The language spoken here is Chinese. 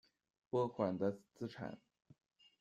拨款的资产。